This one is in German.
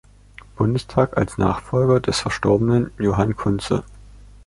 Bundestag als Nachfolger des verstorbenen Johann Kunze.